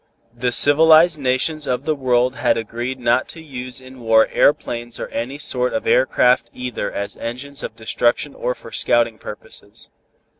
The civilized nations of the world had agreed not to use in war aeroplanes or any sort of air craft either as engines of destruction or for scouting purposes.